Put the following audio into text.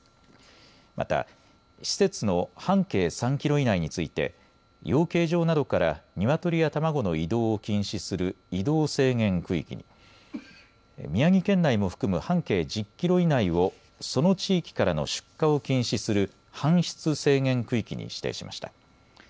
また、施設の半径３キロ以内について養鶏場などからニワトリや卵の移動を禁止する移動制限区域に、宮城県内も含む半径１０キロ以内をその地域からの出荷を禁止する搬出制限区域に指定しました。